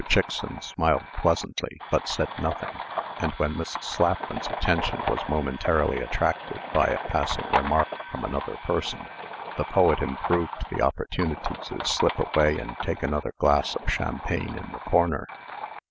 Chickson smiled pleasantly, but said nothing; and when Mrs. Slapman's attention was momentarily attracted by a passing remark from another person, the poet improved the opportunity to slip away and take another glass of champagne in the corner.